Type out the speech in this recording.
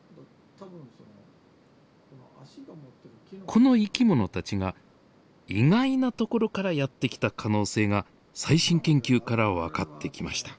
この生き物たちが意外な所からやって来た可能性が最新研究から分かってきました。